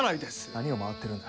何を回ってるんだ？